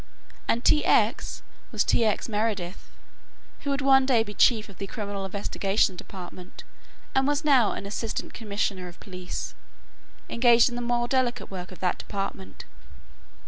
and "T. X." was T. X. Meredith, who would one day be Chief of the Criminal Investigation Department and was now an Assistant Commissioner of Police, engaged in the more delicate work of that department.